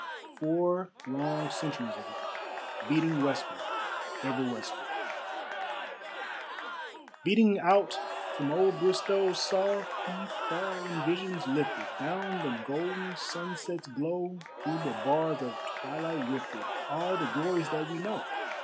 Four long centuries ago. Beating westward, ever westward, Beating out from old Bristowe, Saw he far in visions lifted, Down the golden sunset's glow, Through the bars of twilight rifted, All the glories that we know.